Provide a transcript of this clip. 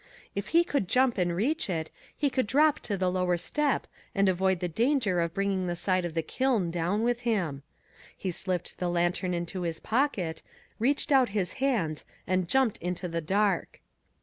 If he could jump and reach it he could drop to the lower step and avoid the danger of bringing the side of the kiln down with him. He slipped the lantern into his pocket, reached out his hands, and jumped into the dark.